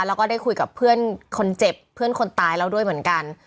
แล้วก็ได้คุยกับเพื่อนคนเจ็บเพื่อนคนตายแล้วด้วยเหมือนกัน